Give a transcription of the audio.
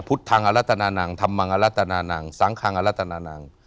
พุทธทางอรัตนานังธรรมรัตนานังสังคังอรัตนานัง